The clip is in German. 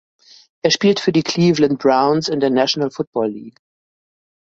Er spielt für die Cleveland Browns in der National Football League.